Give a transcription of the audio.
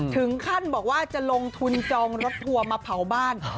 ถึงขั้นบอกว่าจะลงทุนจองรถทัวร์มาเผาบ้าน